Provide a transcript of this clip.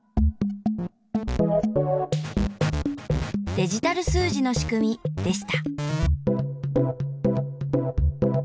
デジタル数字のしくみでした。